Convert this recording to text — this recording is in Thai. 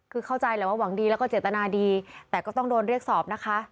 คือเข้าใจแหละว่าหวังดีแล้วก็เจตนาดีแต่ก็ต้องโดนเรียกสอบนะคะ